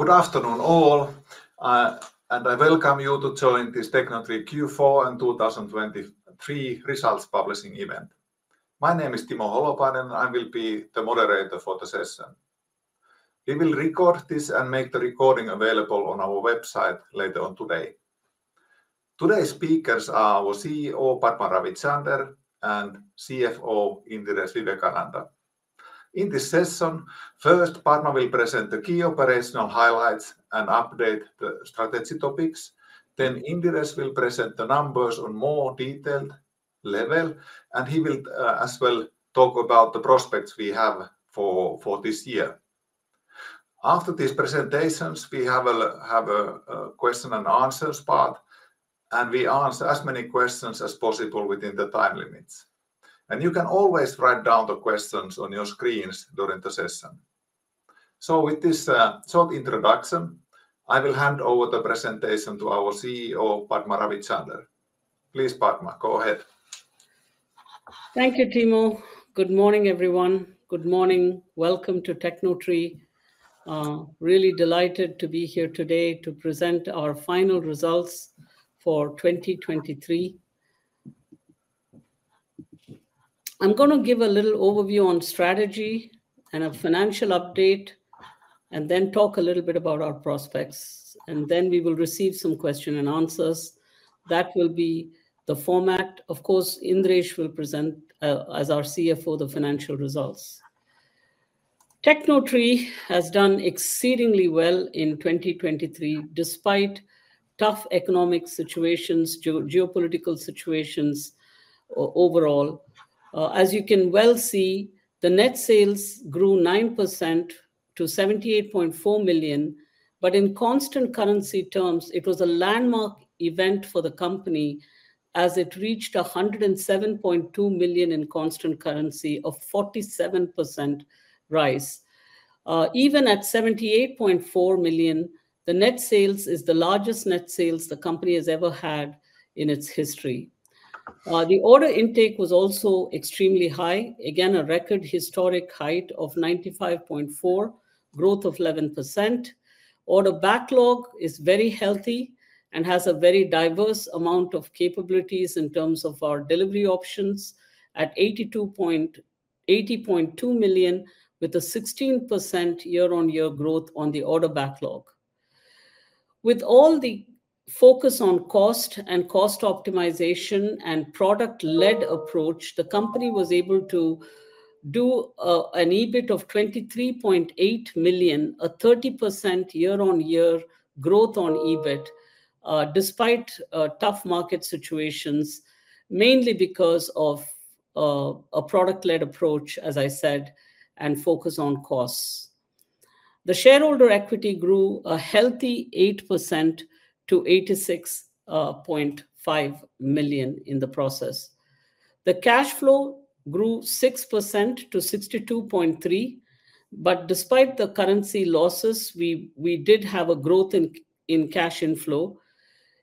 Good afternoon, all, and I welcome you to join this Tecnotree Q4 and 2023 results publishing event. My name is Timo Holopainen, and I will be the moderator for the session. We will record this and make the recording available on our website later on today. Today's speakers are our CEO, Padma Ravichander, and CFO, Indiresh Vivekananda. In this session, first, Padma will present the key operational highlights and update the strategy topics, then Indiresh will present the numbers on more detailed level, and he will, as well talk about the prospects we have for, for this year. After these presentations, we have a question and answers part, and we ask as many questions as possible within the time limits. And you can always write down the questions on your screens during the session. So with this, short introduction, I will hand over the presentation to our CEO, Padma Ravichander. Please, Padma, go ahead. Thank you, Timo. Good morning, everyone. Good morning. Welcome to Tecnotree. Really delighted to be here today to present our final results for 2023. I'm gonna give a little overview on strategy and a financial update, and then talk a little bit about our prospects, and then we will receive some question and answers. That will be the format. Of course, Indiresh will present, as our CFO, the financial results. Tecnotree has done exceedingly well in 2023, despite tough economic situations, geopolitical situations overall. As you can well see, the net sales grew 9% to 78.4 million, but in constant currency terms, it was a landmark event for the company as it reached 107.2 million in constant currency of 47% rise. Even at 78.4 million, the net sales is the largest net sales the company has ever had in its history. The order intake was also extremely high. Again, a record historic height of 95.4 million, growth of 11%. Order backlog is very healthy and has a very diverse amount of capabilities in terms of our delivery options at 80.2 million, with a 16% year-on-year growth on the order backlog. With all the focus on cost and cost optimization and product-led approach, the company was able to do an EBIT of 23.8 million, a 30% year-on-year growth on EBIT, despite tough market situations, mainly because of a product-led approach, as I said, and focus on costs. The shareholder equity grew a healthy 8% to 86.5 million in the process. The cash flow grew 6% to 62.3 million, but despite the currency losses, we did have a growth in cash inflow.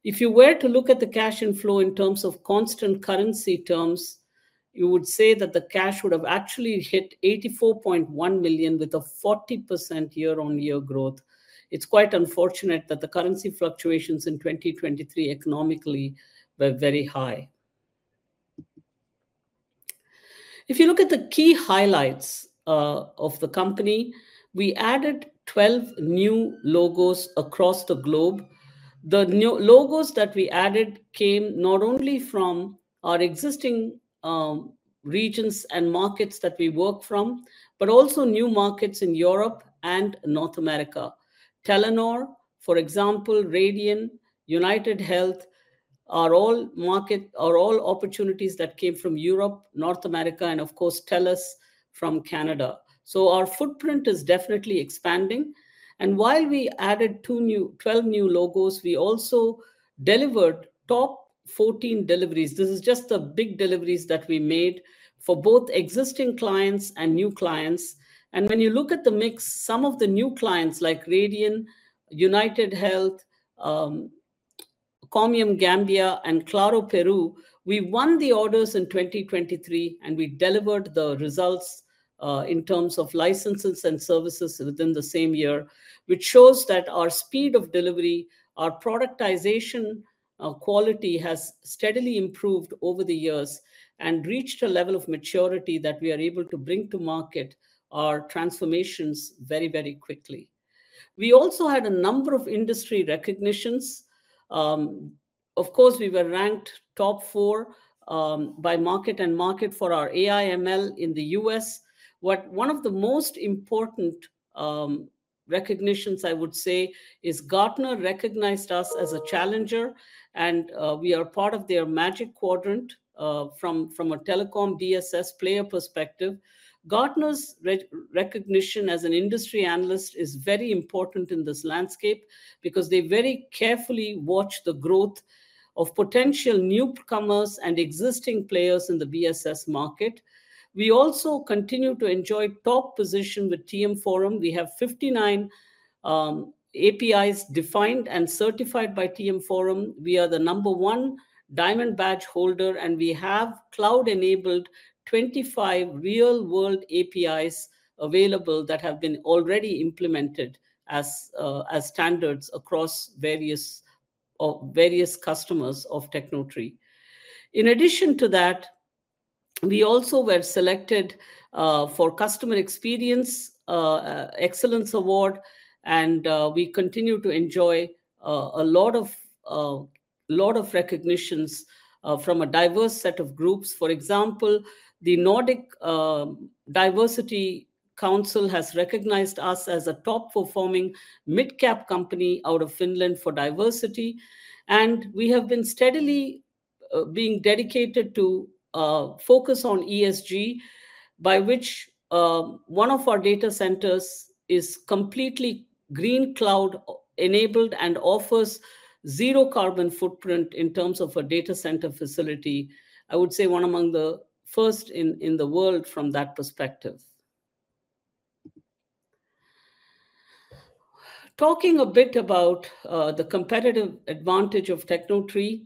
If you were to look at the cash inflow in terms of constant currency terms, you would say that the cash would have actually hit 84.1 million, with a 40% year-over-year growth. It's quite unfortunate that the currency fluctuations in 2023 economically were very high. If you look at the key highlights of the company, we added 12 new logos across the globe. The new logos that we added came not only from our existing regions and markets that we work from, but also new markets in Europe and North America. Telenor, for example, Radian, UnitedHealth, are all opportunities that came from Europe, North America, and of course, TELUS from Canada. So our footprint is definitely expanding, and while we added twelve new logos, we also delivered top 14 deliveries. This is just the big deliveries that we made for both existing clients and new clients, and when you look at the mix, some of the new clients, like Radian, UnitedHealth, Comium Gambia, and Claro Peru, we won the orders in 2023, and we delivered the results in terms of licenses and services within the same year, which shows that our speed of delivery, our productization, our quality has steadily improved over the years and reached a level of maturity that we are able to bring to market our transformations very, very quickly. We also had a number of industry recognitions. Of course, we were ranked top 4 by MarketsandMarkets for our AI/ML in the US. One of the most important recognitions, I would say, is Gartner recognized us as a challenger, and we are part of their Magic Quadrant from a telecom BSS player perspective. Gartner's re-recognition as an industry analyst is very important in this landscape because they very carefully watch the growth of potential newcomers and existing players in the BSS market. We also continue to enjoy top position with TM Forum. We have 59 APIs defined and certified by TM Forum. We are the number one diamond badge holder, and we have cloud-enabled 25 real-world APIs available that have been already implemented as standards across various customers of Tecnotree. In addition to that, we also were selected for Customer Experience Excellence Award, and we continue to enjoy a lot of recognitions from a diverse set of groups. For example, the Nordic Diversity Council has recognized us as a top-performing mid-cap company out of Finland for diversity, and we have been steadily being dedicated to focus on ESG, by which one of our data centers is completely green cloud-enabled and offers zero carbon footprint in terms of a data center facility. I would say one among the first in the world from that perspective. Talking a bit about the competitive advantage of Tecnotree,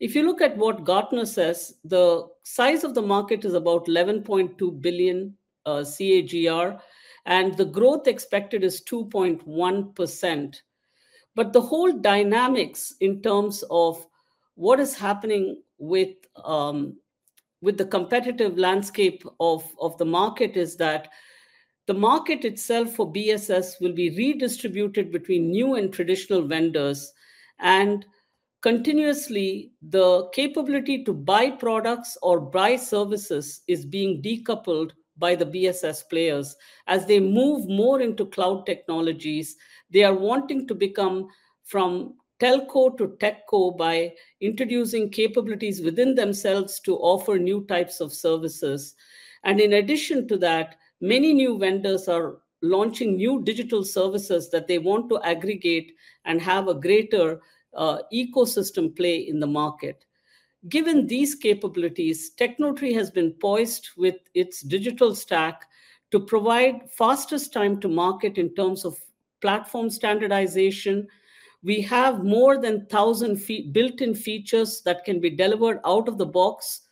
if you look at what Gartner says, the size of the market is about $11.2 billion CAGR, and the growth expected is 2.1%. But the whole dynamics in terms of what is happening with the competitive landscape of the market is that the market itself for BSS will be redistributed between new and traditional vendors. And continuously, the capability to buy products or buy services is being decoupled by the BSS players. As they move more into cloud technologies, they are wanting to become from telco to techco by introducing capabilities within themselves to offer new types of services. And in addition to that, many new vendors are launching new digital services that they want to aggregate and have a greater ecosystem play in the market. Given these capabilities, Tecnotree has been poised with its digital stack to provide fastest time to market in terms of platform standardization. We have more than 1,000 built-in features that can be delivered out of the box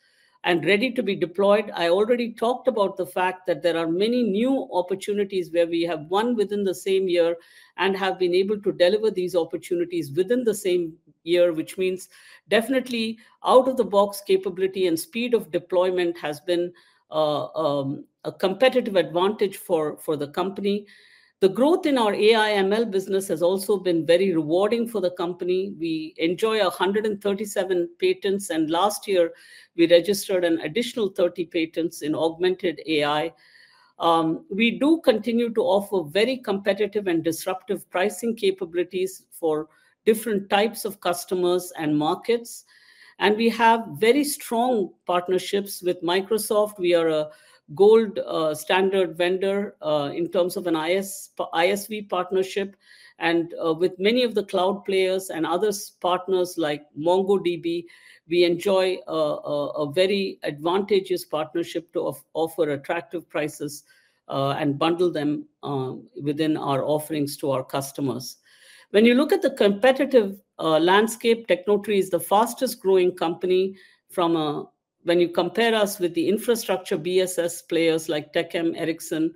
and ready to be deployed. I already talked about the fact that there are many new opportunities where we have won within the same year and have been able to deliver these opportunities within the same year, which means definitely out-of-the-box capability and speed of deployment has been a competitive advantage for the company. The growth in our AI/ML business has also been very rewarding for the company. We enjoy 137 patents, and last year, we registered an additional 30 patents in augmented AI. We do continue to offer very competitive and disruptive pricing capabilities for different types of customers and markets, and we have very strong partnerships with Microsoft. We are a gold standard vendor in terms of an ISV partnership, and with many of the cloud players and other partners like MongoDB, we enjoy a very advantageous partnership to offer attractive prices and bundle them within our offerings to our customers. When you look at the competitive landscape, Tecnotree is the fastest-growing company from a... When you compare us with the infrastructure BSS players like TechM, Ericsson,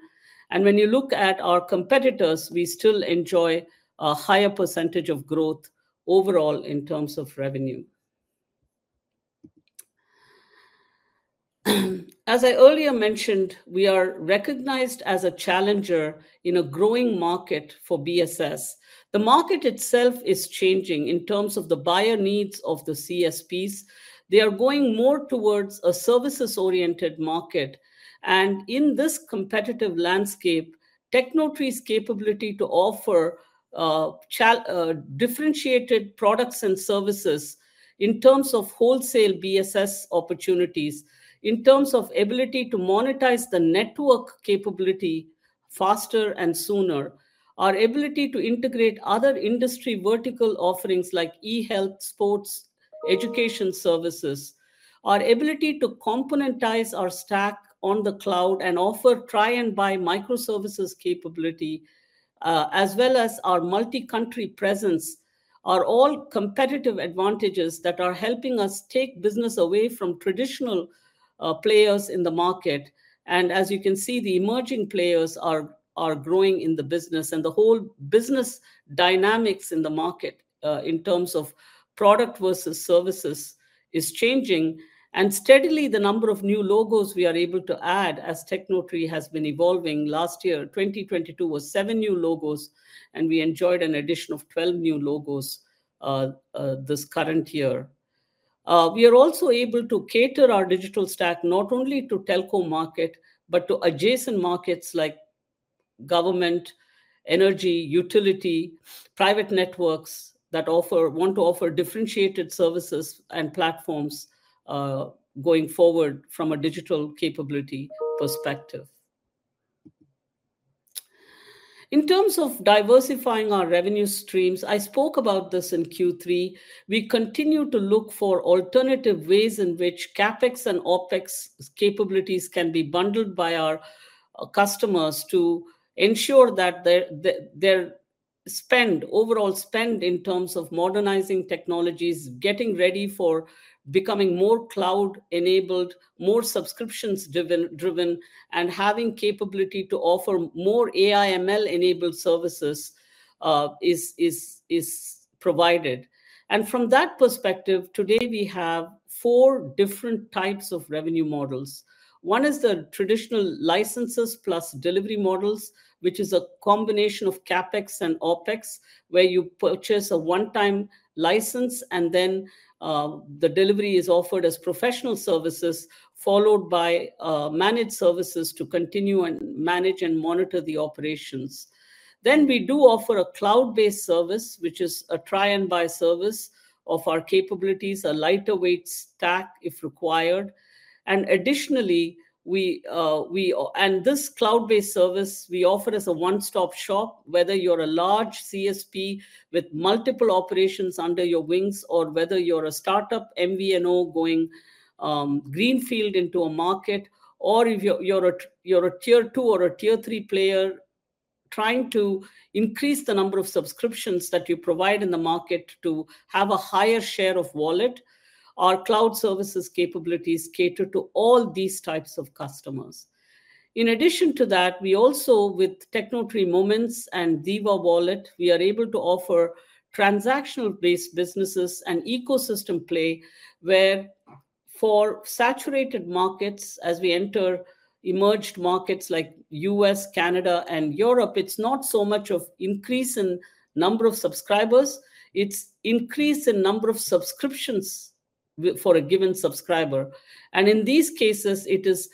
and when you look at our competitors, we still enjoy a higher percentage of growth overall in terms of revenue. As I earlier mentioned, we are recognized as a challenger in a growing market for BSS. The market itself is changing in terms of the buyer needs of the CSPs. They are going more towards a services-oriented market, and in this competitive landscape, Tecnotree's capability to offer differentiated products and services in terms of wholesale BSS opportunities, in terms of ability to monetize the network capability faster and sooner, our ability to integrate other industry vertical offerings like e-health, sports, education services, our ability to componentize our stack on the cloud and offer try-and-buy microservices capability, as well as our multi-country presence, are all competitive advantages that are helping us take business away from traditional players in the market. And as you can see, the emerging players are growing in the business, and the whole business dynamics in the market, in terms of product versus services, is changing. And steadily, the number of new logos we are able to add as Tecnotree has been evolving. Last year, 2022, was 7 new logos, and we enjoyed an addition of 12 new logos this current year. We are also able to cater our digital stack not only to telco market, but to adjacent markets like government, energy, utility, private networks, that want to offer differentiated services and platforms going forward from a digital capability perspective. In terms of diversifying our revenue streams, I spoke about this in Q3. We continue to look for alternative ways in which CapEx and OpEx capabilities can be bundled by our customers to ensure that their spend, overall spend in terms of modernizing technologies, getting ready for becoming more cloud-enabled, more subscriptions driven, and having capability to offer more AI/ML-enabled services is provided. And from that perspective, today we have 4 different types of revenue models. One is the traditional licenses plus delivery models, which is a combination of CapEx and OpEx, where you purchase a one-time license, and then the delivery is offered as professional services, followed by managed services to continue and manage and monitor the operations. Then we do offer a cloud-based service, which is a try and buy service of our capabilities, a lighter weight stack, if required. And additionally, And this cloud-based service we offer as a one-stop shop, whether you're a large CSP with multiple operations under your wings, or whether you're a start-up MVNO going greenfield into a market, or if you're a Tier Two or a Tier Three player trying to increase the number of subscriptions that you provide in the market to have a higher share of wallet. Our cloud services capabilities cater to all these types of customers. In addition to that, we also, with Tecnotree Moments and DiWa Wallet, we are able to offer transactional-based businesses and ecosystem play, where for saturated markets, as we enter emerging markets like U.S., Canada, and Europe, it's not so much of increase in number of subscribers, it's increase in number of subscriptions for a given subscriber. And in these cases, it is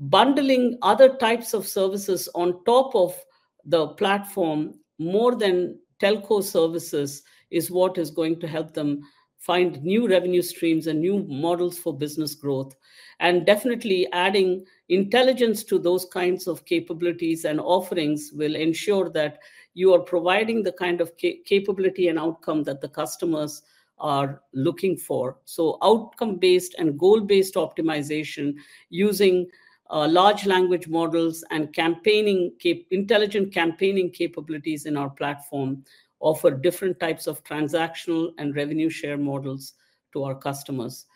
bundling other types of services on top of the platform more than telco services, is what is going to help them find new revenue streams and new models for business growth. And definitely adding intelligence to those kinds of capabilities and offerings will ensure that you are providing the kind of capability and outcome that the customers are looking for. So outcome-based and goal-based optimization using large language models and campaigning cap... Intelligent campaigning capabilities in our platform offer different types of transactional and revenue share models to our customers.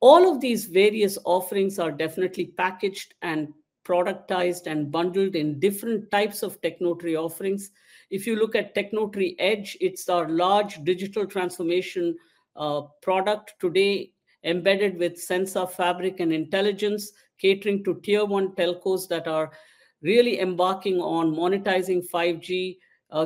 All of these various offerings are definitely packaged and productized and bundled in different types of Tecnotree offerings. If you look at Tecnotree Edge, it's our large digital transformation product today, embedded Sensa Fabric and intelligence, catering to Tier 1 telcos that are really embarking on monetizing 5G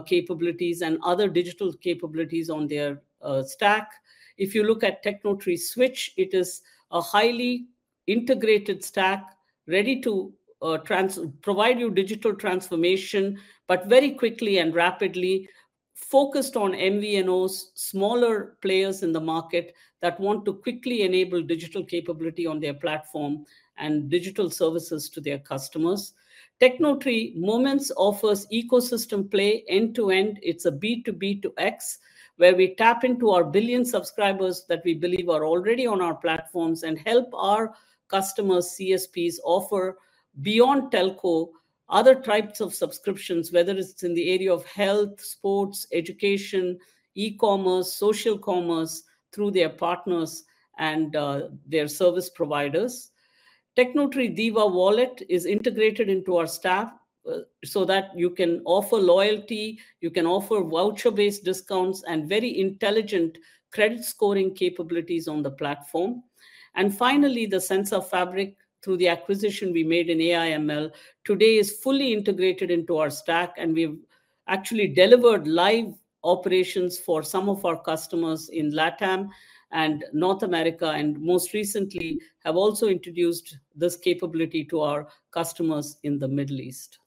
capabilities and other digital capabilities on their stack. If you look at Tecnotree Switch, it is a highly integrated stack, ready to provide you digital transformation, but very quickly and rapidly focused on MVNOs, smaller players in the market that want to quickly enable digital capability on their platform and digital services to their customers. Tecnotree Moments offers ecosystem play end-to-end. It's a B2B2X, where we tap into our billion subscribers that we believe are already on our platforms and help our customers, CSPs offer beyond telco, other types of subscriptions, whether it's in the area of health, sports, education, e-commerce, social commerce, through their partners and their service providers. Tecnotree DiWa is integrated into our stack, so that you can offer loyalty, you can offer voucher-based discounts, and very intelligent credit scoring capabilities on the platform. And finally, Sensa Fabric, through the acquisition we made in AI/ML, today is fully integrated into our stack, and we've actually delivered live operations for some of our customers in LATAM and North America, and most recently, have also introduced this capability to our customers in the Middle East.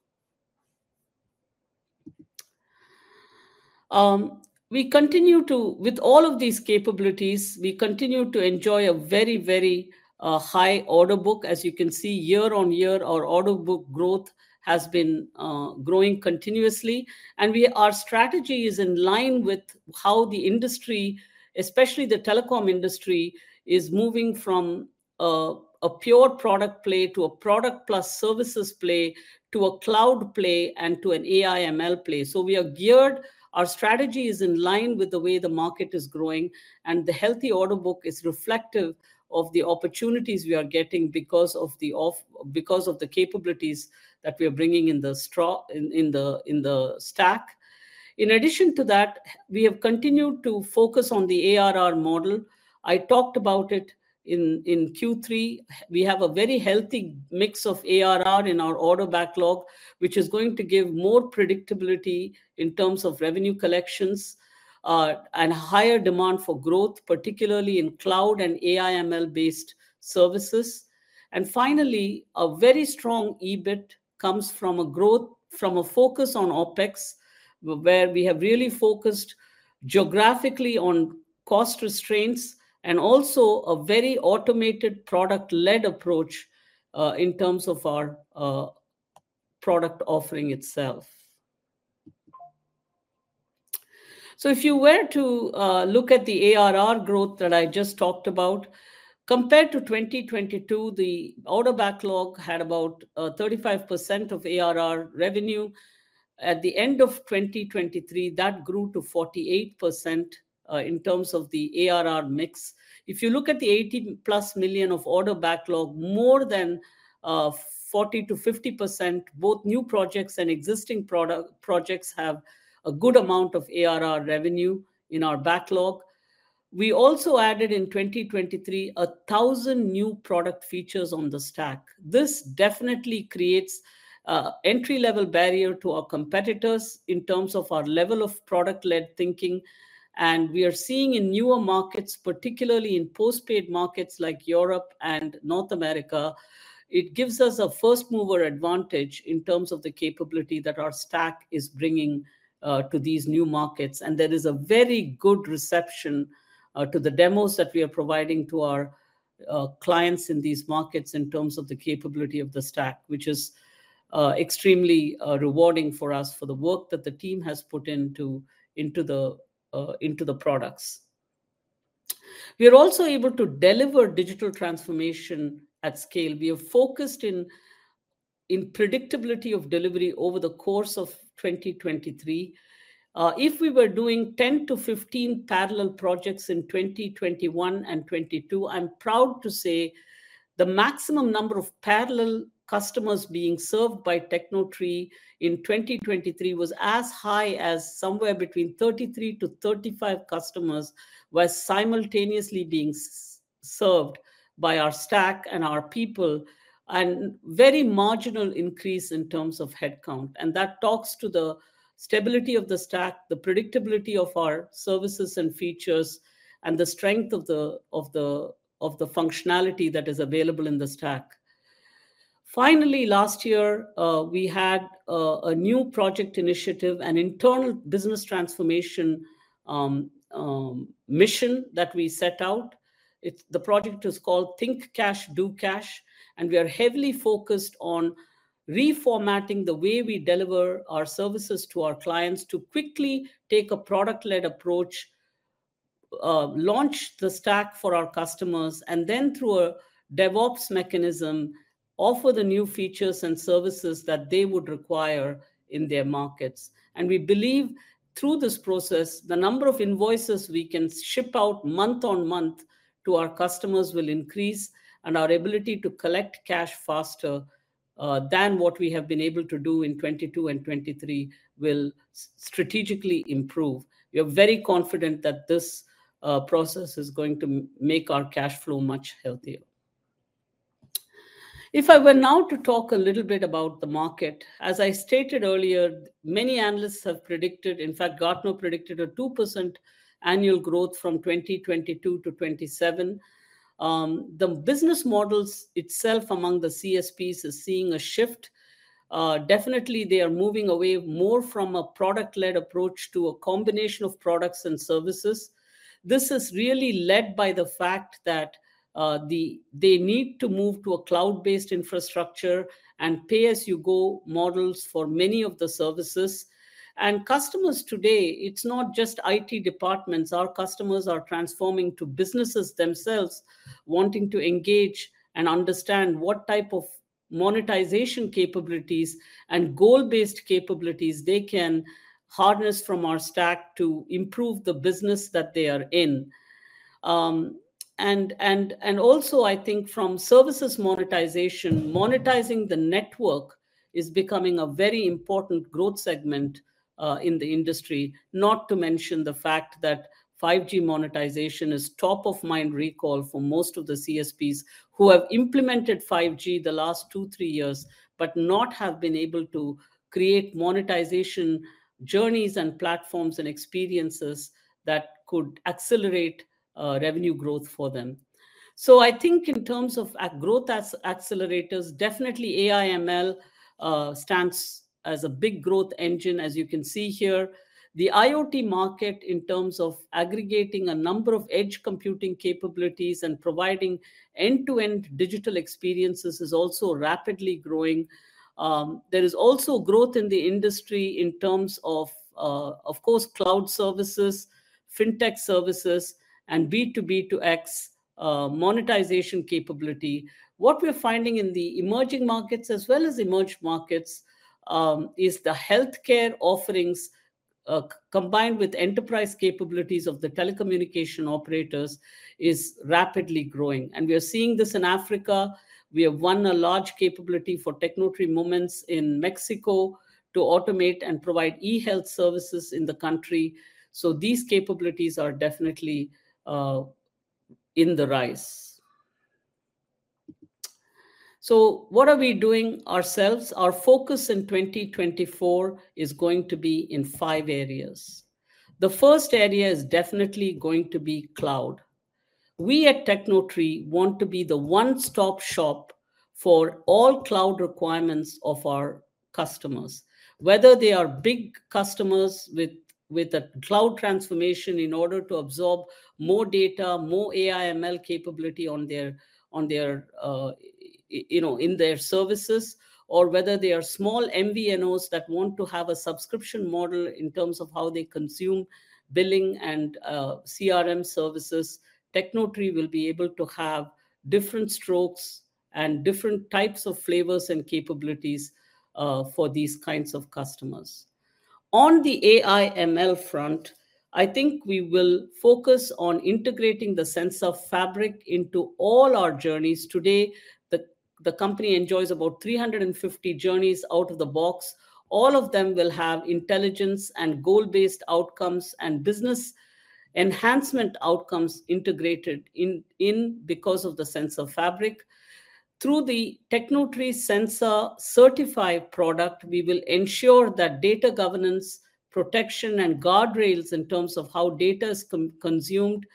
With all of these capabilities, we continue to enjoy a very, very high order book. As you can see, year on year, our order book growth has been growing continuously, and our strategy is in line with how the industry, especially the telecom industry, is moving from a pure product play to a product plus services play, to a cloud play, and to an AI/ML play. So we are geared, our strategy is in line with the way the market is growing, and the healthy order book is reflective of the opportunities we are getting because of the capabilities that we are bringing in the stack. In addition to that, we have continued to focus on the ARR model. I talked about it in Q3. We have a very healthy mix of ARR in our order backlog, which is going to give more predictability in terms of revenue collections, and higher demand for growth, particularly in cloud and AI/ML-based services. Finally, a very strong EBIT comes from a growth, from a focus on OpEx, where we have really focused geographically on cost restraints and also a very automated product-led approach, in terms of our product offering itself. If you were to look at the ARR growth that I just talked about, compared to 2022, the order backlog had about 35% of ARR revenue. At the end of 2023, that grew to 48%, in terms of the ARR mix. If you look at the 80+ million order backlog, more than 40%-50%, both new projects and existing product projects have a good amount of ARR revenue in our backlog. We also added, in 2023, 1,000 new product features on the stack. This definitely creates entry-level barrier to our competitors in terms of our level of product-led thinking, and we are seeing in newer markets, particularly in postpaid markets like Europe and North America, it gives us a first mover advantage in terms of the capability that our stack is bringing to these new markets. There is a very good reception to the demos that we are providing to our clients in these markets in terms of the capability of the stack, which is extremely rewarding for us, for the work that the team has put into the products. We are also able to deliver digital transformation at scale. We are focused in predictability of delivery over the course of 2023. If we were doing 10-15 parallel projects in 2021 and 2022, I'm proud to say the maximum number of parallel customers being served by Tecnotree in 2023 was as high as somewhere between 33-35 customers were simultaneously being served by our stack and our people, and very marginal increase in terms of headcount. That talks to the stability of the stack, the predictability of our services and features, and the strength of the functionality that is available in the stack. Finally, last year we had a new project initiative, an internal business transformation mission that we set out. It's the project is called Think Cash, Do Cash, and we are heavily focused on reformatting the way we deliver our services to our clients to quickly take a product-led approach, launch the stack for our customers, and then through a DevOps mechanism, offer the new features and services that they would require in their markets. We believe through this process, the number of invoices we can ship out month on month to our customers will increase, and our ability to collect cash faster than what we have been able to do in 2022 and 2023 will strategically improve. We are very confident that this process is going to make our cash flow much healthier. If I were now to talk a little bit about the market, as I stated earlier, many analysts have predicted; in fact, Gartner predicted a 2% annual growth from 2022 to 2027. The business models itself among the CSPs is seeing a shift. Definitely, they are moving away more from a product-led approach to a combination of products and services. This is really led by the fact that they need to move to a cloud-based infrastructure and pay-as-you-go models for many of the services. Customers today, it's not just IT departments. Our customers are transforming to businesses themselves, wanting to engage and understand what type of monetization capabilities and goal-based capabilities they can harness from our stack to improve the business that they are in. And also, I think from services monetization, monetizing the network is becoming a very important growth segment in the industry. Not to mention the fact that 5G monetization is top-of-mind recall for most of the CSPs who have implemented 5G the last two, three years, but not have been able to create monetization journeys and platforms and experiences that could accelerate revenue growth for them. So I think in terms of a growth as accelerators, definitely AI/ML stands as a big growth engine, as you can see here. The IoT market, in terms of aggregating a number of edge computing capabilities and providing end-to-end digital experiences, is also rapidly growing. There is also growth in the industry in terms of, of course, cloud services, fintech services, and B2B2X monetization capability. What we're finding in the emerging markets, as well as emerged markets, is the healthcare offerings combined with enterprise capabilities of the telecommunication operators, is rapidly growing, and we are seeing this in Africa. We have won a large capability for Tecnotree Moments in Mexico to automate and provide e-health services in the country. So these capabilities are definitely in the rise. So what are we doing ourselves? Our focus in 2024 is going to be in five areas. The first area is definitely going to be cloud. We at Tecnotree want to be the one-stop shop for all cloud requirements of our customers, whether they are big customers with a cloud transformation in order to absorb more data, more AI/ML capability on their, on their, you know, in their services, or whether they are small MVNOs that want to have a subscription model in terms of how they consume billing and CRM services. Tecnotree will be able to have different strokes and different types of flavors and capabilities for these kinds of customers. On the AI/ML front, I think we will focus on integrating the Sensa Fabric into all our journeys. Today, the company enjoys about 350 journeys out of the box. All of them will have intelligence and goal-based outcomes and business enhancement outcomes integrated in because of the Sensa Fabric. Through the Tecnotree Sensa-certified product, we will ensure that data governance, protection, and guardrails in terms of how data is consumed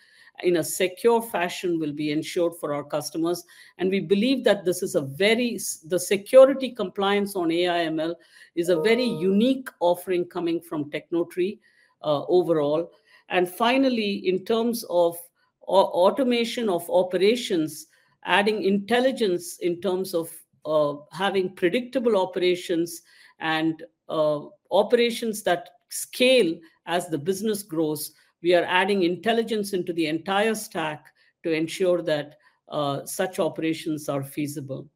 in a secure fashion will be ensured for our customers. We believe that this is a very. The security compliance on AI/ML is a very unique offering coming from Tecnotree overall. Finally, in terms of automation of operations, adding intelligence in terms of having predictable operations and operations that scale as the business grows, we are adding intelligence into the entire stack to ensure that such operations are feasible.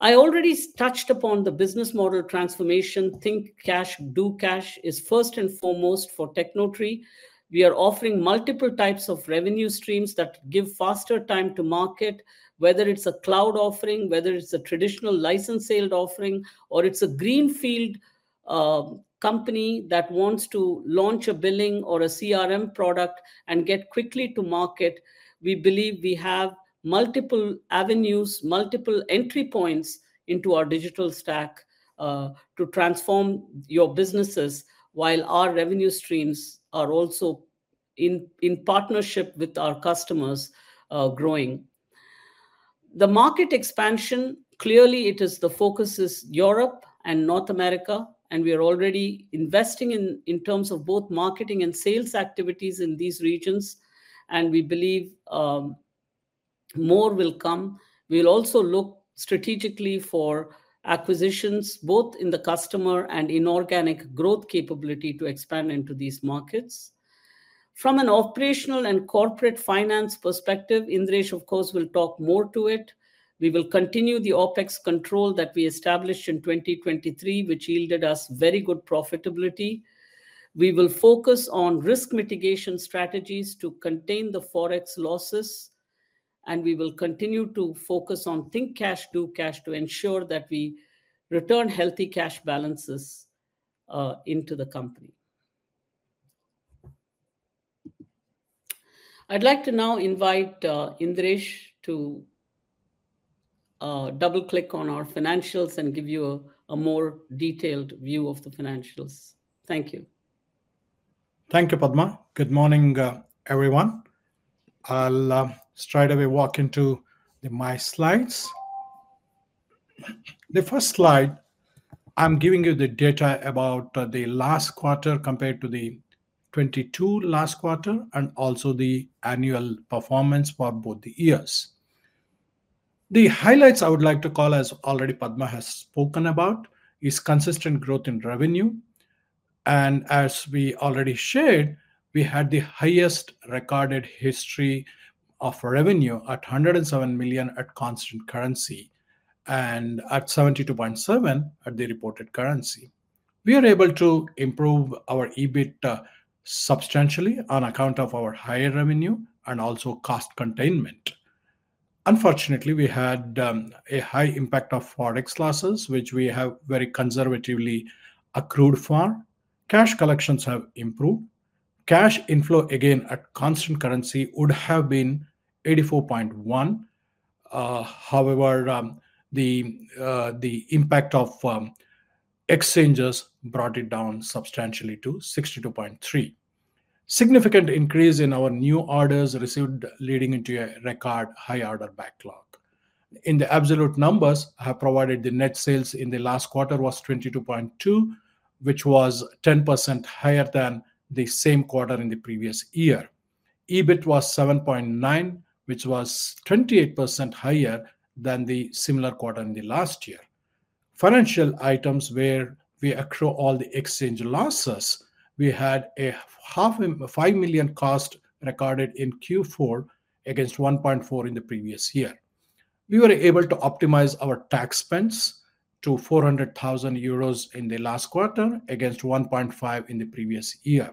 I already touched upon the business model transformation. Think Cash, Do Cash is first and foremost for Tecnotree. We are offering multiple types of revenue streams that give faster time to market, whether it's a cloud offering, whether it's a traditional license sales offering, or it's a greenfield company that wants to launch a billing or a CRM product and get quickly to market. We believe we have multiple avenues, multiple entry points into our digital stack to transform your businesses, while our revenue streams are also in partnership with our customers growing. The market expansion, clearly it is the focus is Europe and North America, and we are already investing in terms of both marketing and sales activities in these regions, and we believe more will come. We'll also look strategically for acquisitions, both in the customer and inorganic growth capability to expand into these markets. From an operational and corporate finance perspective, Indiresh, of course, will talk more to it. We will continue the OpEx control that we established in 2023, which yielded us very good profitability. We will focus on risk mitigation strategies to contain the Forex losses, and we will continue to focus on Think Cash, Do Cash, to ensure that we return healthy cash balances into the company. I'd like to now invite Indiresh to double-click on our financials and give you a more detailed view of the financials. Thank you. Thank you, Padma. Good morning, everyone. I'll straightaway walk into my slides. The first slide, I'm giving you the data about the last quarter compared to the 2022 last quarter, and also the annual performance for both the years. The highlights I would like to call, as already Padma has spoken about, is consistent growth in revenue, and as we already shared, we had the highest recorded history of revenue at 107 million at constant currency, and at 72.7 at the reported currency. We are able to improve our EBIT substantially on account of our higher revenue and also cost containment. Unfortunately, we had a high impact of Forex losses, which we have very conservatively accrued for. Cash collections have improved. Cash inflow, again, at constant currency, would have been 84.1 million. However, the impact of exchanges brought it down substantially to 62.3. Significant increase in our new orders received, leading into a record high order backlog. In the absolute numbers I have provided, the net sales in the last quarter was 22.2, which was 10% higher than the same quarter in the previous year. EBIT was 7.9, which was 28% higher than the similar quarter in the last year. Financial items where we accrue all the exchange losses, we had a five million cost recorded in Q4, against 1.4 in the previous year. We were able to optimize our tax spends to 400,000 euros in the last quarter, against 1.5 in the previous year.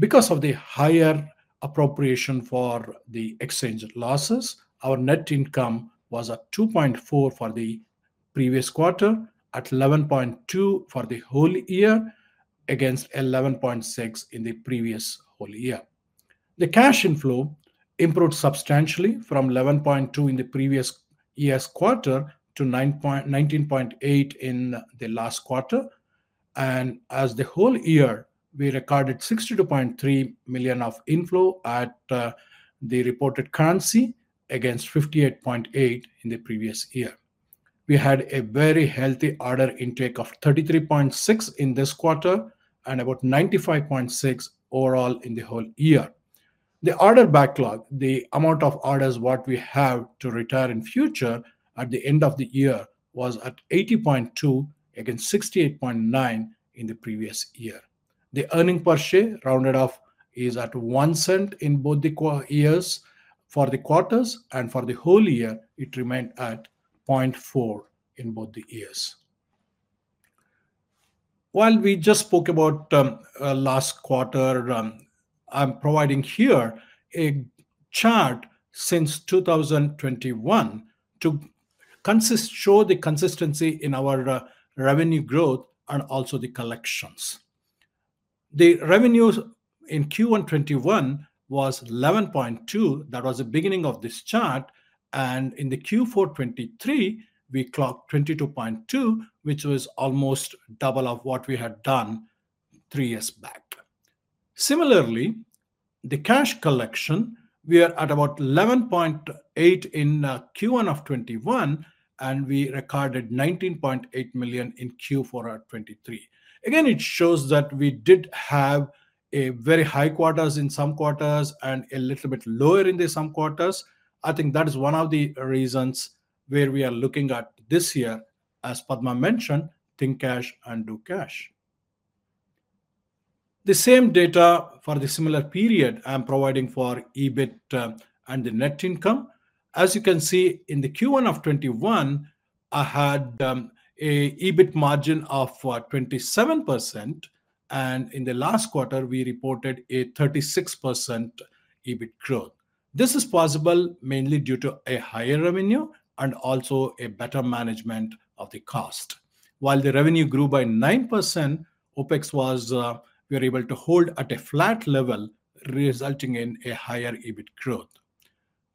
Because of the higher appropriation for the exchange losses, our net income was at 2.4 for the previous quarter, at 11.2 for the whole year, against 11.6 in the previous whole year. The cash inflow improved substantially from 11.2 in the previous year's quarter to 19.8 in the last quarter. And as the whole year, we recorded 62.3 million of inflow at the reported currency, against 58.8 in the previous year. We had a very healthy order intake of 33.6 in this quarter, and about 95.6 overall in the whole year. The order backlog, the amount of orders, what we have to return in future at the end of the year, was at 80.2 against 68.9 in the previous year. The earnings per share, rounded off, is at 0.01 in both the quarters. For the quarters and for the whole year, it remained at 0.4 in both the years. While we just spoke about last quarter, I'm providing here a chart since 2021 to show the consistency in our revenue growth and also the collections. The revenues in Q1 2021 was 11.2. That was the beginning of this chart, and in the Q4 2023, we clocked 22.2, which was almost double of what we had done three years back. Similarly, the cash collection, we are at about 11.8 in Q1 2021, and we recorded 19.8 million in Q4 2023. Again, it shows that we did have a very high quarters in some quarters, and a little bit lower in the some quarters. I think that is one of the reasons where we are looking at this year, as Padma mentioned, think cash and do cash. The same data for the similar period I'm providing for EBIT, and the net income. As you can see in the Q1 of 2021, I had, a EBIT margin of, 27%, and in the last quarter, we reported a 36% EBIT growth. This is possible mainly due to a higher revenue and also a better management of the cost. While the revenue grew by 9%, OpEx was-- we were able to hold at a flat level, resulting in a higher EBIT growth.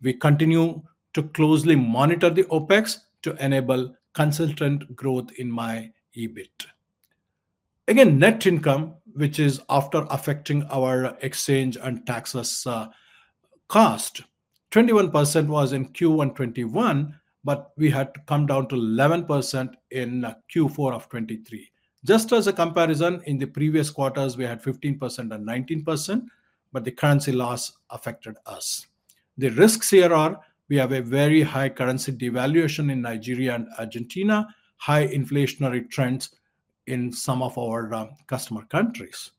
We continue to closely monitor the OpEx to enable consistent growth in my EBIT. Again, net income, which is after affecting our exchange and taxes, cost, 21% was in Q1 2021, but we had to come down to 11% in Q4 of 2023. Just as a comparison, in the previous quarters, we had 15% and 19%, but the currency loss affected us. The risks here are, we have a very high currency devaluation in Nigeria and Argentina, high inflationary trends in some of our customer countries.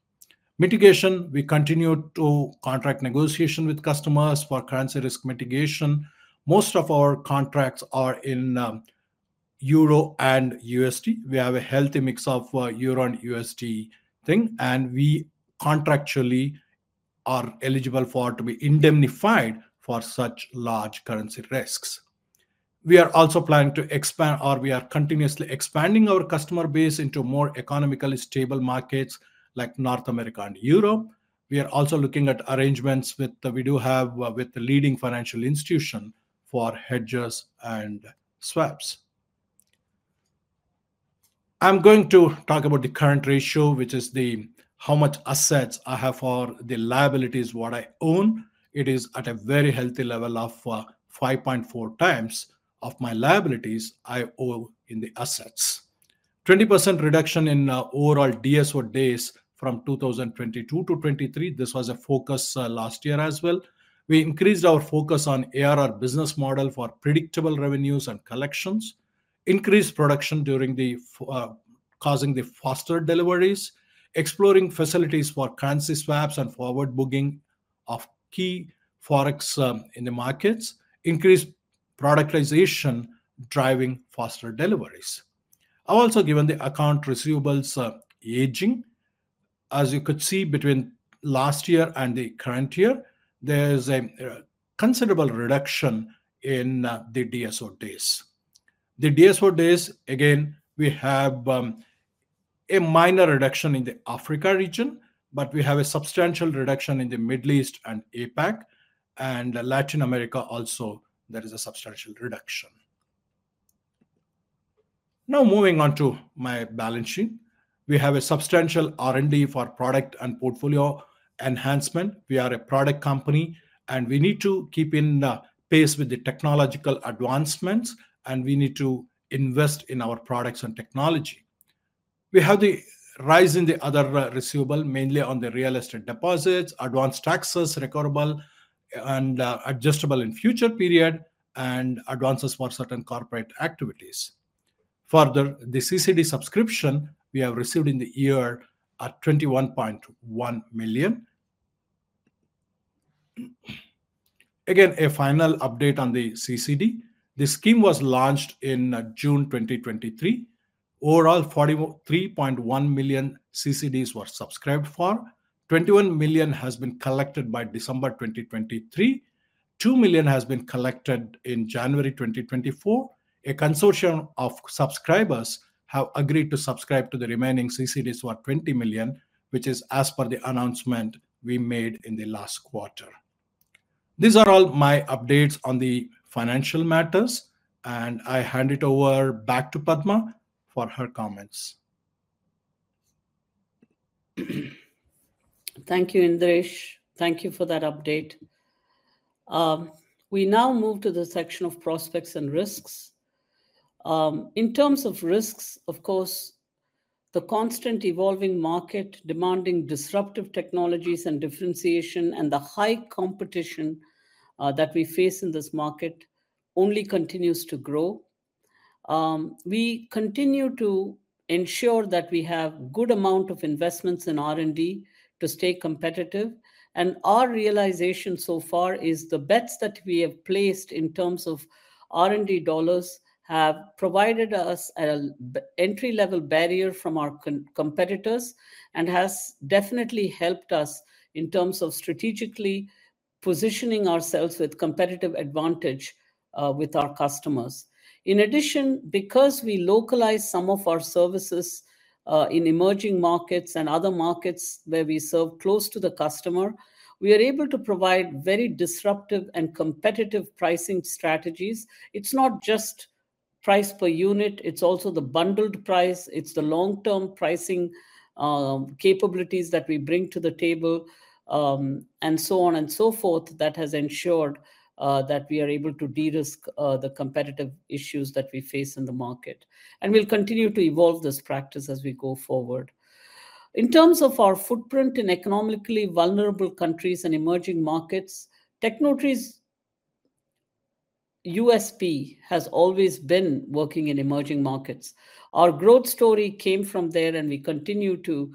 Mitigation. We continue to contract negotiation with customers for currency risk mitigation. Most of our contracts are in euro and USD. We have a healthy mix of euro and USD thing, and we contractually are eligible for to be indemnified for such large currency risks. We are also planning to expand, or we are continuously expanding our customer base into more economically stable markets like North America and Europe. We are also looking at arrangements with, we do have with the leading financial institution for hedges and swaps. I'm going to talk about the current ratio, which is how much assets I have for the liabilities, what I own. It is at a very healthy level of 5.4 times of my liabilities I owe in the assets. 20% reduction in overall DSO days from 2022 to 2023. This was a focus last year as well. We increased our focus on ARR business model for predictable revenues and collections. Increased production during the causing the faster deliveries. Exploring facilities for currency swaps and forward booking of key Forex in the markets. Increased productization, driving faster deliveries. I've also given the accounts receivable aging. As you could see between last year and the current year, there is a considerable reduction in the DSO days. The DSO days, again, we have a minor reduction in the Africa region, but we have a substantial reduction in the Middle East and APAC, and Latin America also, there is a substantial reduction. Now, moving on to my balance sheet. We have a substantial R&D for product and portfolio enhancement. We are a product company, and we need to keep in pace with the technological advancements, and we need to invest in our products and technology. We have the rise in the other receivable, mainly on the real estate deposits, advance taxes, recoverable and adjustable in future period, and advances for certain corporate activities. Further, the CCD subscription we have received in the year at 21.1 million. Again, a final update on the CCD. The scheme was launched in June 2023. Overall, 43.1 million CCDs were subscribed for. 21 million has been collected by December 2023. 2 million has been collected in January 2024. A consortium of subscribers have agreed to subscribe to the remaining CCDs worth 20 million, which is as per the announcement we made in the last quarter.... These are all my updates on the financial matters, and I hand it over back to Padma for her comments. Thank you, Indiresh. Thank you for that update. We now move to the section of prospects and risks. In terms of risks, of course, the constant evolving market demanding disruptive technologies and differentiation, and the high competition that we face in this market only continues to grow. We continue to ensure that we have good amount of investments in R&D to stay competitive, and our realization so far is the bets that we have placed in terms of R&D dollars have provided us a entry-level barrier from our competitors and has definitely helped us in terms of strategically positioning ourselves with competitive advantage with our customers. In addition, because we localize some of our services in emerging markets and other markets where we serve close to the customer, we are able to provide very disruptive and competitive pricing strategies. It's not just price per unit; it's also the bundled price. It's the long-term pricing capabilities that we bring to the table, and so on and so forth, that has ensured that we are able to de-risk the competitive issues that we face in the market. And we'll continue to evolve this practice as we go forward. In terms of our footprint in economically vulnerable countries and emerging markets, Tecnotree's USP has always been working in emerging markets. Our growth story came from there, and we continue to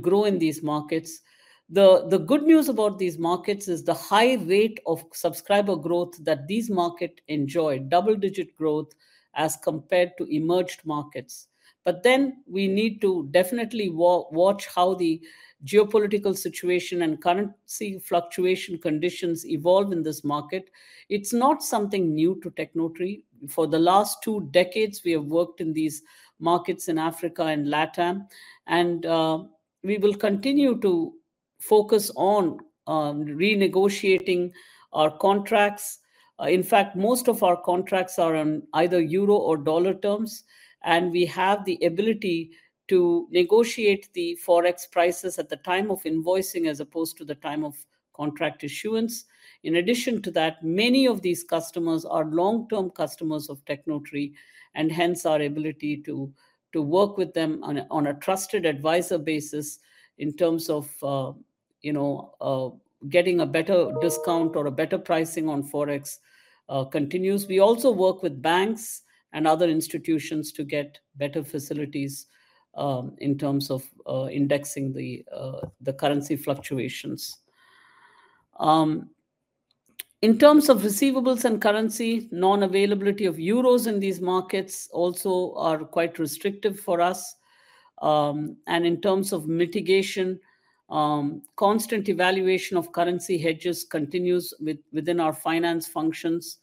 grow in these markets. The good news about these markets is the high rate of subscriber growth that these markets enjoy, double-digit growth as compared to emerging markets. But then we need to definitely watch how the geopolitical situation and currency fluctuation conditions evolve in this market. It's not something new to Tecnotree. For the last two decades, we have worked in these markets in Africa and LATAM, and we will continue to focus on renegotiating our contracts. In fact, most of our contracts are on either euro or dollar terms, and we have the ability to negotiate the Forex prices at the time of invoicing, as opposed to the time of contract issuance. In addition to that, many of these customers are long-term customers of Tecnotree, and hence our ability to work with them on a trusted advisor basis in terms of you know getting a better discount or a better pricing on Forex continues. We also work with banks and other institutions to get better facilities in terms of indexing the currency fluctuations. In terms of receivables and currency, non-availability of euros in these markets also are quite restrictive for us. And in terms of mitigation, constant evaluation of currency hedges continues within our finance functions.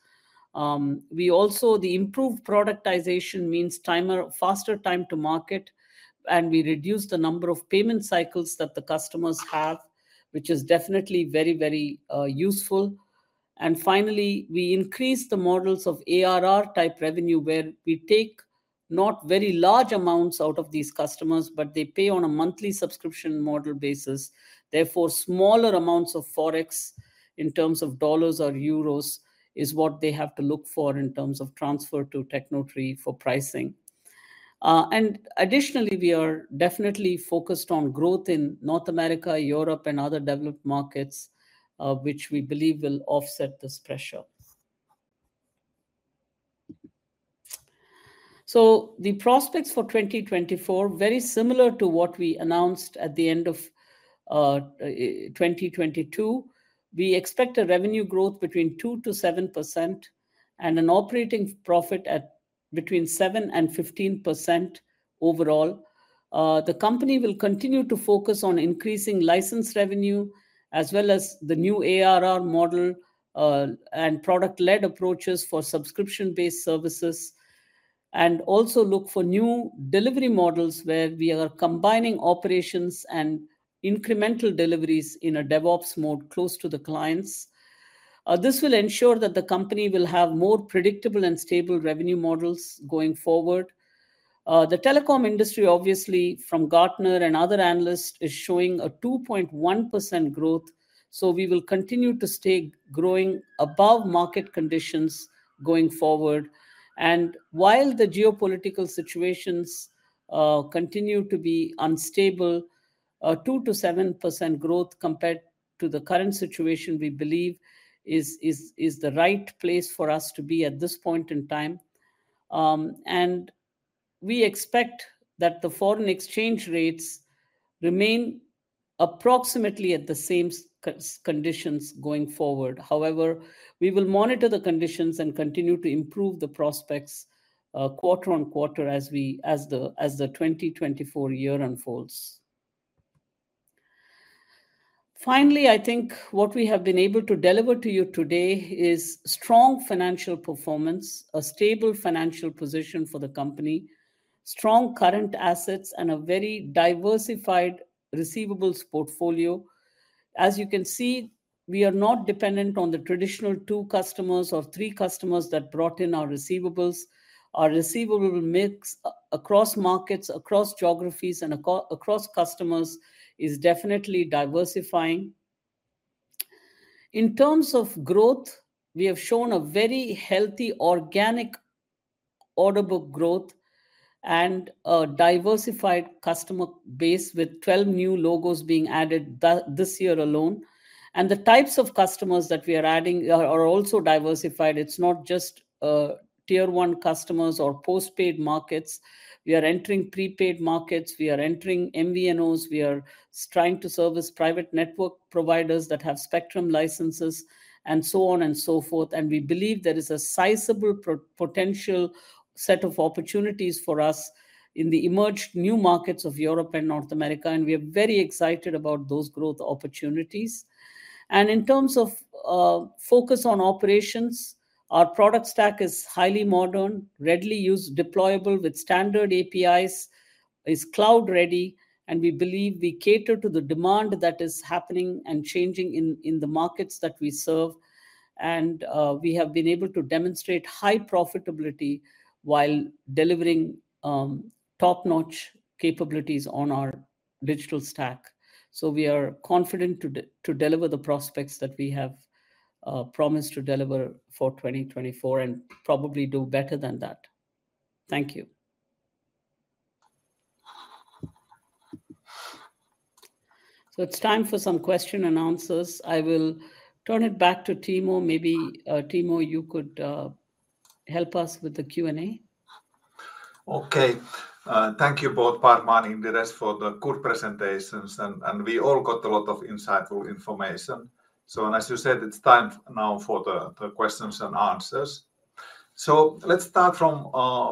We also... The improved productization means timely faster time to market, and we reduce the number of payment cycles that the customers have, which is definitely very, very useful. And finally, we increase the models of ARR-type revenue, where we take not very large amounts out of these customers, but they pay on a monthly subscription model basis. Therefore, smaller amounts of Forex, in terms of dollars or euros, is what they have to look for in terms of transfer to Tecnotree for pricing. And additionally, we are definitely focused on growth in North America, Europe, and other developed markets, which we believe will offset this pressure. So the prospects for 2024, very similar to what we announced at the end of 2022. We expect a revenue growth between 2%-7% and an operating profit at between 7%-15% overall. The company will continue to focus on increasing license revenue, as well as the new ARR model, and product-led approaches for subscription-based services, and also look for new delivery models where we are combining operations and incremental deliveries in a DevOps mode close to the clients. This will ensure that the company will have more predictable and stable revenue models going forward. The telecom industry, obviously from Gartner and other analysts, is showing a 2.1% growth, so we will continue to stay growing above market conditions going forward. While the geopolitical situations continue to be unstable, 2%-7% growth compared to the current situation, we believe is the right place for us to be at this point in time. And we expect that the foreign exchange rates remain approximately at the same conditions going forward. However, we will monitor the conditions and continue to improve the prospects, quarter-on-quarter as the 2024 year unfolds. Finally, I think what we have been able to deliver to you today is strong financial performance, a stable financial position for the company, strong current assets and a very diversified receivables portfolio. As you can see, we are not dependent on the traditional two customers or three customers that brought in our receivables. Our receivable mix across markets, across geographies, and across customers is definitely diversifying. In terms of growth, we have shown a very healthy organic order book growth and a diversified customer base, with 12 new logos being added this year alone. The types of customers that we are adding are also diversified. It's not just tier one customers or post-paid markets. We are entering pre-paid markets. We are entering MVNOs. We are trying to service private network providers that have spectrum licenses, and so on and so forth. We believe there is a sizable potential set of opportunities for us in the emerged new markets of Europe and North America, and we are very excited about those growth opportunities. In terms of focus on operations, our product stack is highly modern, readily use deployable with standard APIs, is cloud-ready, and we believe we cater to the demand that is happening and changing in the markets that we serve. We have been able to demonstrate high profitability while delivering top-notch capabilities on our digital stack. So we are confident to deliver the prospects that we have promised to deliver for 2024, and probably do better than that. Thank you. So it's time for some question and answers. I will turn it back to Timo. Maybe, Timo, you could help us with the Q&A. Okay. Thank you both, Padma and Indiresh, for the good presentations, and we all got a lot of insightful information. So, as you said, it's time now for the questions and answers. So let's start from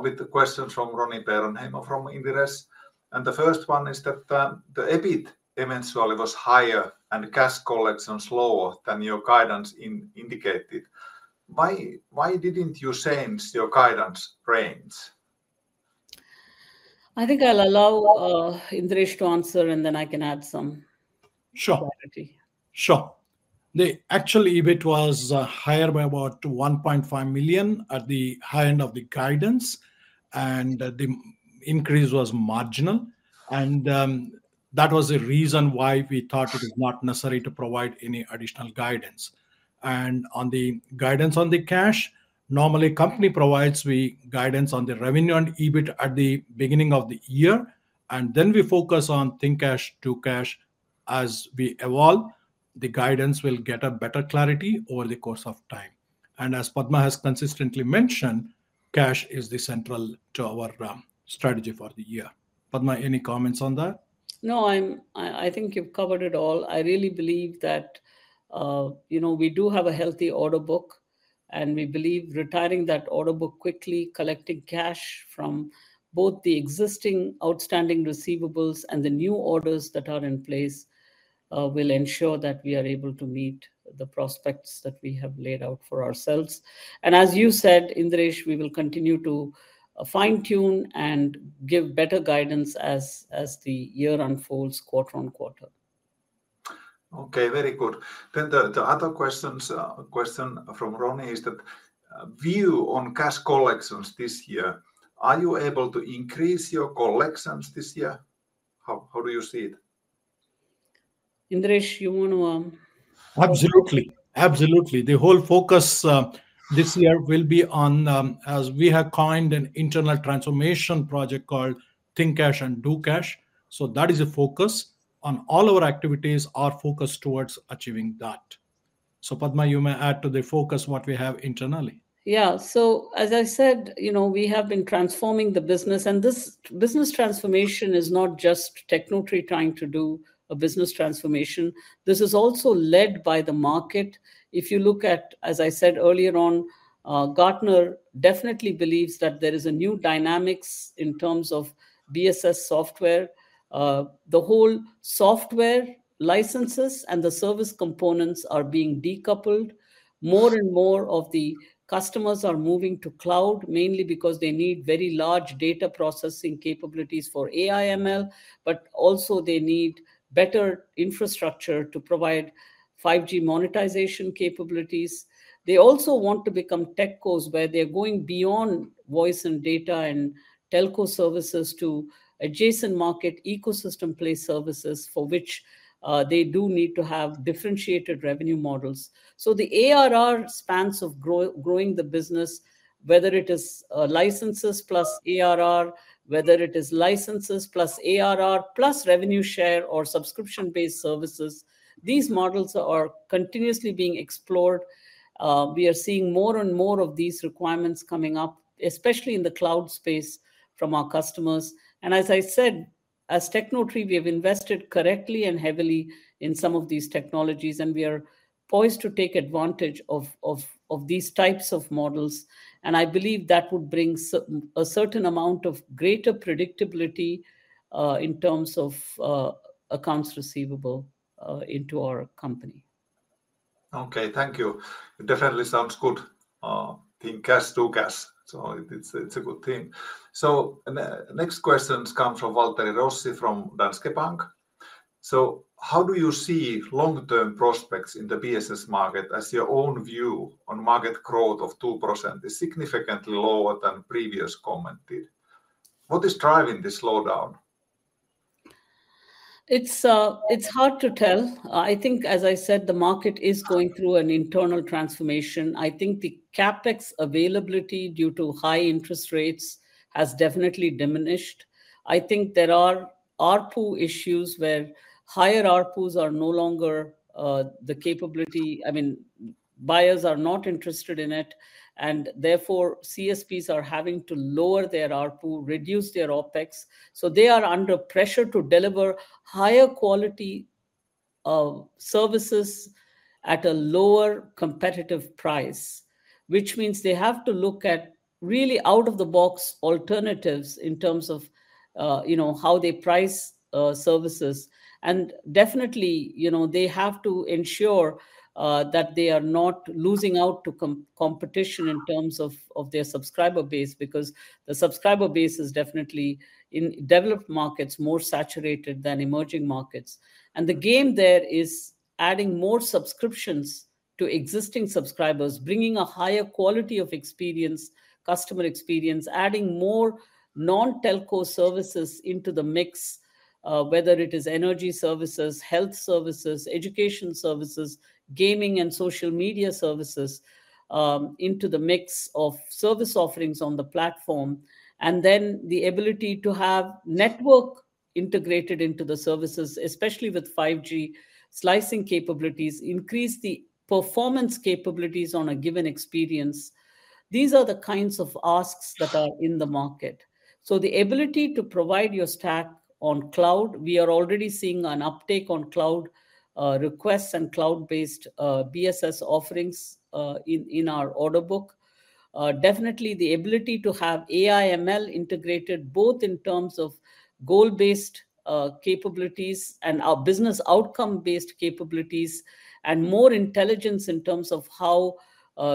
with the questions from Roni Peuranheimo from Inderes. And the first one is that the EBIT eventually was higher and cash collection slower than your guidance indicated. Why didn't you change your guidance range? I think I'll allow, Indiresh to answer, and then I can add some- Sure. clarity. Sure. Actually, EBIT was higher by about 1.5 million at the high end of the guidance, and the increase was marginal. That was the reason why we thought it was not necessary to provide any additional guidance. On the guidance on the cash, normally, company provides guidance on the revenue and EBIT at the beginning of the year, and then we focus on cash to cash. As we evolve, the guidance will get a better clarity over the course of time. As Padma has consistently mentioned, cash is central to our strategy for the year. Padma, any comments on that? No, I think you've covered it all. I really believe that, you know, we do have a healthy order book, and we believe retiring that order book quickly, collecting cash from both the existing outstanding receivables and the new orders that are in place, will ensure that we are able to meet the prospects that we have laid out for ourselves. And as you said, Indiresh, we will continue to fine-tune and give better guidance as the year unfolds, quarter on quarter. Okay, very good. Then the other question from Roni is, view on cash collections this year, are you able to increase your collections this year? How do you see it? Indiresh, you want to- Absolutely. Absolutely. The whole focus, this year will be on, as we have coined an internal transformation project called Think Cash and Do Cash. So that is a focus on all our activities are focused towards achieving that. So, Padma, you may add to the focus what we have internally. Yeah. So as I said, you know, we have been transforming the business, and this business transformation is not just Tecnotree trying to do a business transformation. This is also led by the market. If you look at, as I said earlier on, Gartner definitely believes that there is a new dynamics in terms of BSS software. The whole software licenses and the service components are being decoupled. More and more of the customers are moving to cloud, mainly because they need very large data processing capabilities for AI, ML, but also they need better infrastructure to provide 5G monetization capabilities. They also want to become techcos, where they're going beyond voice and data and telco services to adjacent market ecosystem play services, for which they do need to have differentiated revenue models. So the ARR spans of growing the business, whether it is, licenses plus ARR, whether it is licenses plus ARR, plus revenue share or subscription-based services, these models are continuously being explored. We are seeing more and more of these requirements coming up, especially in the cloud space from our customers. And as I said, as Tecnotree, we have invested correctly and heavily in some of these technologies, and we are poised to take advantage of these types of models, and I believe that would bring a certain amount of greater predictability in terms of accounts receivable into our company. Okay, thank you. It definitely sounds good, think cash to cash, so it's, it's a good thing. So, next questions come from Waltteri Rossi from Danske Bank. "So how do you see long-term prospects in the BSS market as your own view on market growth of 2% is significantly lower than previous commented? What is driving this slowdown? It's, it's hard to tell. I think as I said, the market is going through an internal transformation. I think the CapEx availability due to high interest rates has definitely diminished. I think there are ARPU issues where higher ARPUs are no longer the capability, I mean, buyers are not interested in it, and therefore, CSPs are having to lower their ARPU, reduce their OpEx. So they are under pressure to deliver higher quality of services at a lower competitive price, which means they have to look at really out-of-the-box alternatives in terms of, you know, how they price services. And definitely, you know, they have to ensure that they are not losing out to competition in terms of their subscriber base, because the subscriber base is definitely in developed markets, more saturated than emerging markets. The game there is adding more subscriptions to existing subscribers, bringing a higher quality of experience, customer experience, adding more non-telco services into the mix, whether it is energy services, health services, education services, gaming and social media services, into the mix of service offerings on the platform. Then the ability to have network integrated into the services, especially with 5G slicing capabilities, increase the performance capabilities on a given experience. These are the kinds of asks that are in the market. The ability to provide your stack on cloud, we are already seeing an uptake on cloud, requests and cloud-based BSS offerings in our order book. Definitely the ability to have AI/ML integrated, both in terms of goal-based capabilities and our business outcome-based capabilities, and more intelligence in terms of how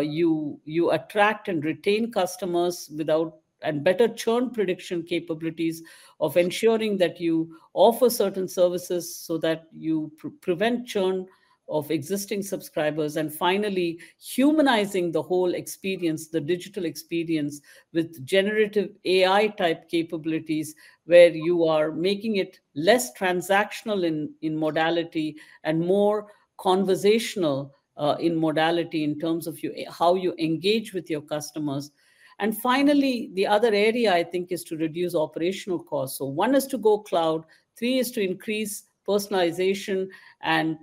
you attract and retain customers without... and better churn prediction capabilities of ensuring that you offer certain services so that you prevent churn of existing subscribers. And finally, humanizing the whole experience, the digital experience, with generative AI-type capabilities, where you are making it less transactional in modality and more conversational in modality in terms of how you engage with your customers. And finally, the other area I think is to reduce operational costs. So one is to go cloud, three is to increase personalization and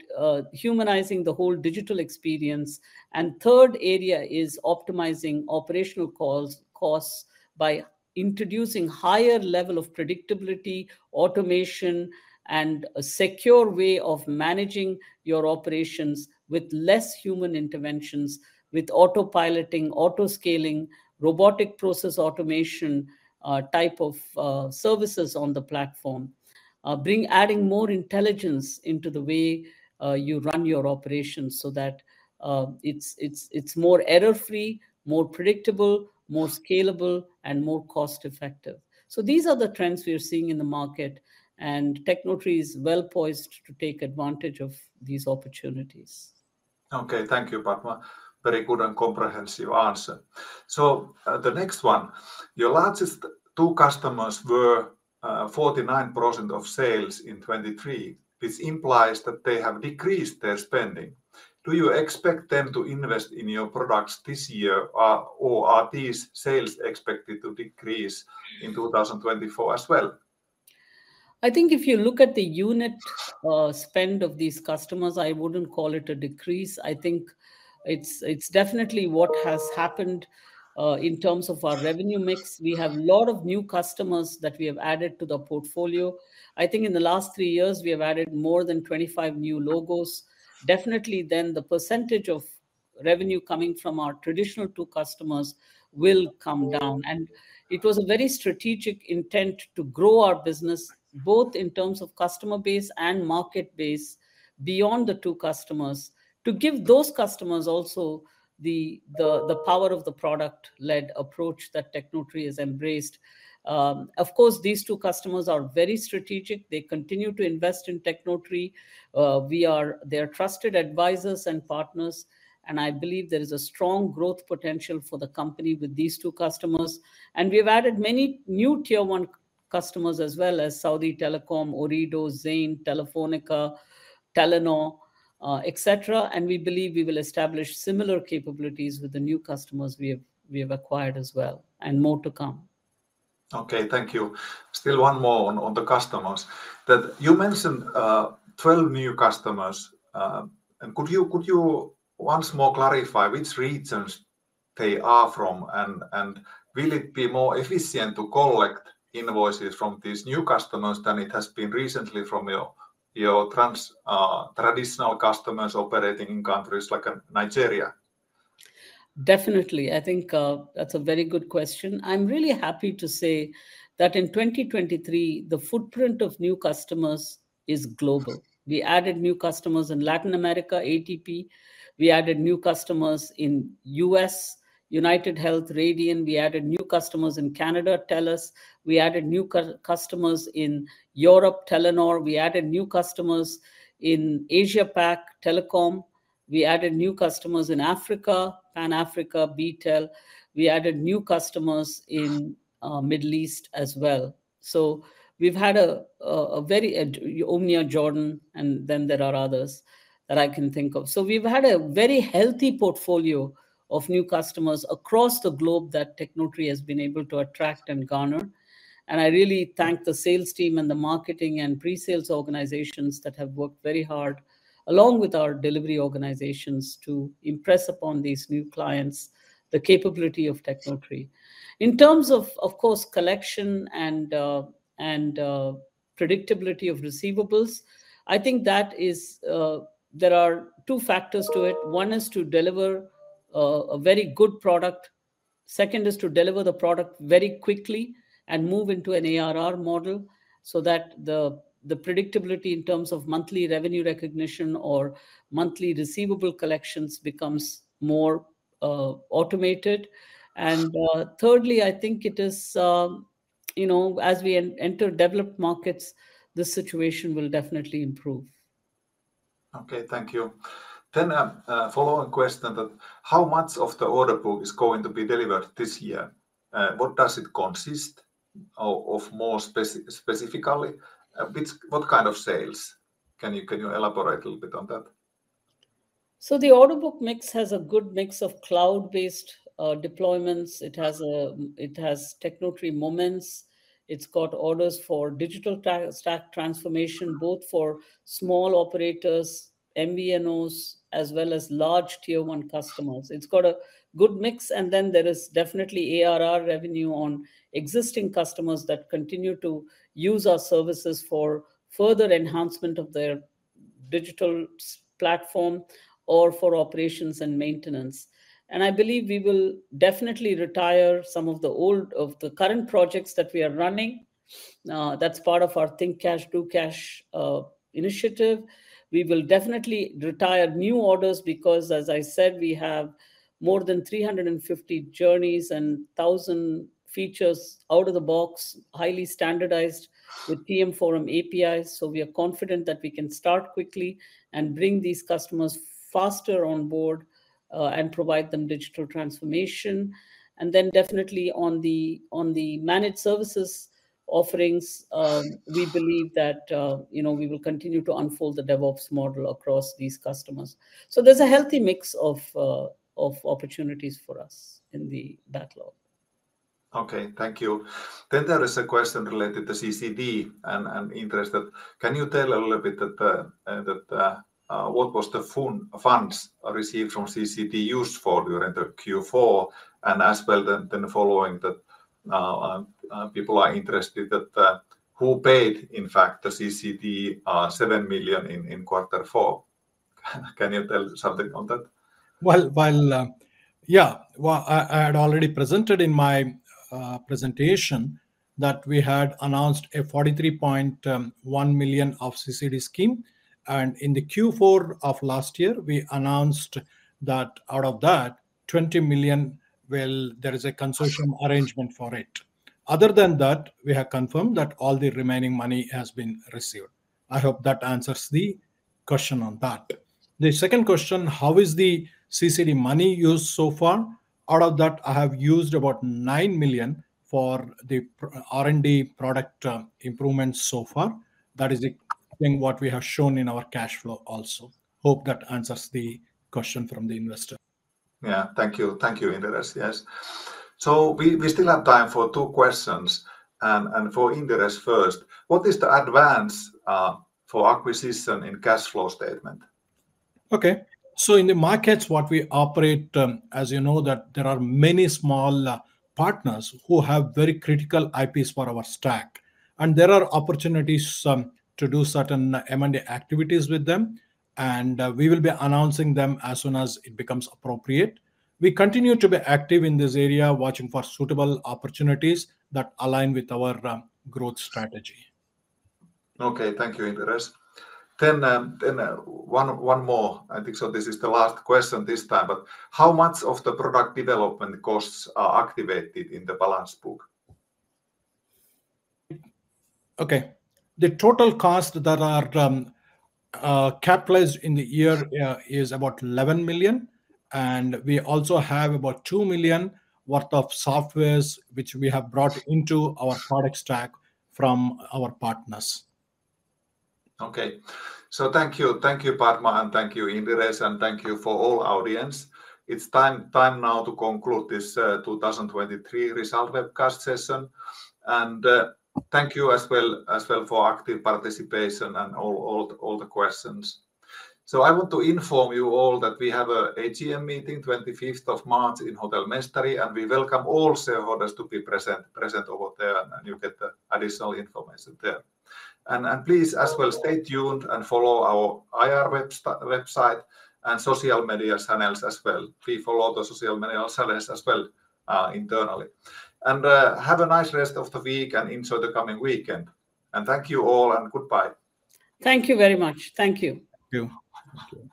humanizing the whole digital experience. And third area is optimizing operational costs, costs by introducing higher level of predictability, automation, and a secure way of managing your operations with less human interventions, with autopiloting, autoscaling, robotic process automation type of services on the platform. Adding more intelligence into the way you run your operations so that it's more error-free, more predictable, more scalable, and more cost-effective. So these are the trends we are seeing in the market, and Tecnotree is well-poised to take advantage of these opportunities. Okay. Thank you, Padma. Very good and comprehensive answer. So, the next one: "Your largest two customers were, 49% of sales in 2023, which implies that they have decreased their spending. Do you expect them to invest in your products this year, or are these sales expected to decrease in 2024 as well? I think if you look at the unit spend of these customers, I wouldn't call it a decrease. I think it's, it's definitely what has happened. In terms of our revenue mix, we have a lot of new customers that we have added to the portfolio. I think in the last three years, we have added more than 25 new logos. Definitely, then, the percentage of revenue coming from our traditional two customers will come down, and it was a very strategic intent to grow our business, both in terms of customer base and market base, beyond the two customers, to give those customers also the, the, the power of the product-led approach that Tecnotree has embraced. Of course, these two customers are very strategic. They continue to invest in Tecnotree. We are their trusted advisors and partners, and I believe there is a strong growth potential for the company with these two customers. We've added many new tier one customers, as well as Saudi Telecom, Ooredoo, Zain, Telefónica, Telenor, et cetera, and we believe we will establish similar capabilities with the new customers we have, we have acquired as well, and more to come. Okay, thank you. Still one more on the customers that you mentioned 12 new customers, and could you once more clarify which regions they are from, and will it be more efficient to collect invoices from these new customers than it has been recently from your traditional customers operating in countries like Nigeria? Definitely. I think that's a very good question. I'm really happy to say that in 2023, the footprint of new customers is global. We added new customers in Latin America, ATP. We added new customers in U.S., UnitedHealth, Radian. We added new customers in Canada, TELUS. We added new customers in Europe, Telenor. We added new customers in Asia-Pac, Telkom. We added new customers in Africa, Pan Africa, BTL. We added new customers in Middle East as well. So we've had a very Umniah Jordan, and then there are others that I can think of. So we've had a very healthy portfolio of new customers across the globe that Tecnotree has been able to attract and garner, and I really thank the sales team and the marketing and pre-sales organizations that have worked very hard, along with our delivery organizations, to impress upon these new clients the capability of Tecnotree. In terms of, of course, collection and predictability of receivables, I think that is... There are two factors to it. One is to deliver a very good product. Second is to deliver the product very quickly and move into an ARR model so that the predictability in terms of monthly revenue recognition or monthly receivable collections becomes more automated. And thirdly, I think it is, you know, as we enter developed markets, the situation will definitely improve. Okay, thank you. Then, a following question that, how much of the order book is going to be delivered this year? What does it consist of more specifically? Which... What kind of sales? Can you, can you elaborate a little bit on that? So the order book mix has a good mix of cloud-based deployments. It has Tecnotree Moments. It's got orders for digital stack transformation, both for small operators, MVNOs, as well as large Tier One customers. It's got a good mix, and then there is definitely ARR revenue on existing customers that continue to use our services for further enhancement of their digital stack platform or for operations and maintenance. And I believe we will definitely retire some of the old, current projects that we are running. That's part of our Think Cash, Do Cash initiative. We will definitely retire new orders because, as I said, we have more than 350 journeys and 1,000 features out of the box, highly standardized with TM Forum APIs. So we are confident that we can start quickly and bring these customers faster on board, and provide them digital transformation. And then definitely on the managed services offerings, we believe that, you know, we will continue to unfold the DevOps model across these customers. So there's a healthy mix of opportunities for us in the backlog. Okay, thank you. Then there is a question related to CCD, and interest, that can you tell a little bit that what was the funds received from CCD used for during the Q4? And as well, then following that, people are interested that who paid, in fact, the CCD 7 million in quarter four? Can you tell something on that? Well, well, yeah. Well, I had already presented in my presentation that we had announced a 43.1 million CCD scheme. And in the Q4 of last year, we announced that out of that 20 million, well, there is a consortium arrangement for it. Other than that, we have confirmed that all the remaining money has been received. I hope that answers the question on that. The second question, how is the CCD money used so far? Out of that, I have used about 9 million for the R&D product improvements so far. That is the thing what we have shown in our cash flow also. Hope that answers the question from the investor. Yeah. Thank you. Thank you, Indiresh, yes. So we, we still have time for two questions, and, and for Indiresh first: What is the advance for acquisition in cash flow statement? Okay. So in the markets what we operate, as you know, that there are many small partners who have very critical IPs for our stack, and there are opportunities to do certain M&A activities with them, and we will be announcing them as soon as it becomes appropriate. We continue to be active in this area, watching for suitable opportunities that align with our growth strategy. Okay, thank you, Indiresh. Then one more, I think so this is the last question this time, but how much of the product development costs are activated in the balance sheet? Okay. The total cost that are capitalized in the year is about 11 million, and we also have about 2 million worth of softwares, which we have brought into our product stack from our partners. Okay. So thank you. Thank you, Padma, and thank you, Indiresh, and thank you for all audience. It's time now to conclude this 2023 result webcast session. And thank you as well for active participation and all the questions. So I want to inform you all that we have a AGM meeting 25th of March in Hotel Mestari, and we welcome all shareholders to be present over there, and you'll get the additional information there. And please as well stay tuned and follow our IR website and social media channels as well. We follow the social media channels as well internally. And have a nice rest of the week and enjoy the coming weekend. And thank you all, and goodbye. Thank you very much. Thank you. Thank you. Thank you.